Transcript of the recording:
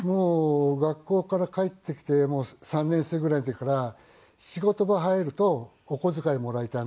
学校から帰ってきて３年生ぐらいの時から仕事場入るとお小遣いもらえたんで。